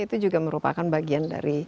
itu juga merupakan bagian dari